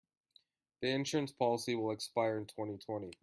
The insurance policy will expire in twenty-twenty.